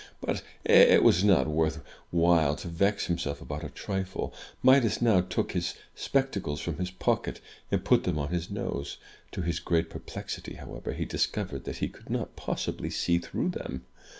But it was not worth while to vex himself about a trifle. Midas now took his spectacles from his pocket, and put them on his nose. To his great perplexity, however, he discovered that he could not possibly see through them.